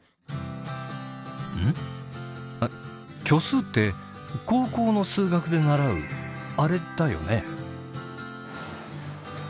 「虚数」って高校の数学で習うあれだよね？